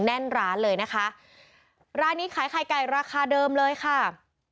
แน่นร้านเลยนะคะร้านนี้ขายไข่ไก่ราคาเดิมเลยค่ะ